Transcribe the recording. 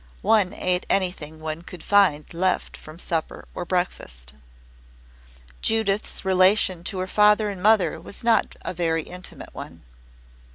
One ate anything one could find left from supper or breakfast. Judith's relation to her father and mother was not a very intimate one.